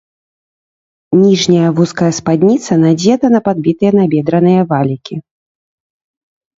Ніжняя вузкая спадніца надзета на падбітыя набедраныя валікі.